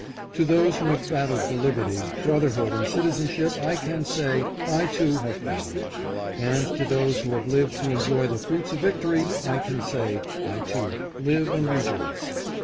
To those who have battled for liberty, brotherhood, and citi zenship I can say, I, too, have battled. And to those who have lived to enjoy the fruits of victory I can say, I, too, live and rejoice.